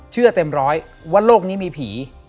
เชื่อเต็มร้อยว่าโลกนี้มีผี